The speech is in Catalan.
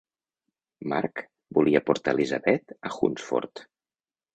March volia portar Elizabeth a Hunsford.